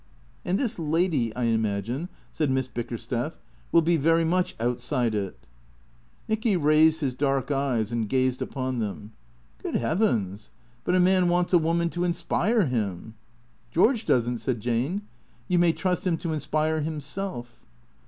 " And this lady, I imagine," said Miss Bickersteth, " will be very much outside it." Nicky raised his dark eyes and gazed upon them. " Good heavens ! But a man wants a woman to inspire him." " George does n't," said Jane. " You may trust him to inspire himself."